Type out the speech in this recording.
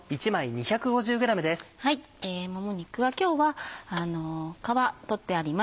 もも肉は今日は皮取ってあります。